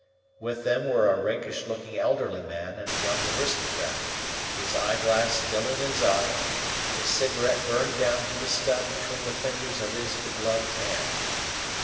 With them were a rakish looking elderly man and a young aristocrat, his eyeglass still in his eye, his cigarette burned down to the stub between the fingers of his begloved hand.